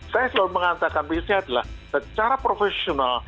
saya selalu mengatakan misalnya adalah secara profesional